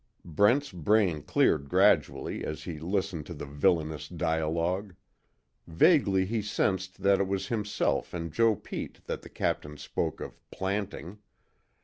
Brent's brain cleared gradually as he listened to the villainous dialogue. Vaguely he sensed that it was himself and Joe Pete that the Captain spoke of "planting."